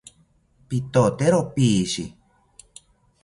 Pitotero pishi